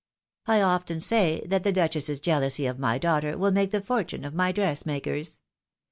I often say that the duchess's jealousy of my daughter will make the fortune of my dress makers.